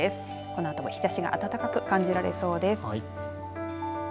このあとも日ざしが暖かく感じられそうです。